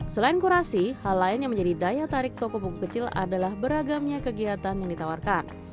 selain kurasi hal lain yang menjadi daya tarik toko buku kecil adalah beragamnya kegiatan yang ditawarkan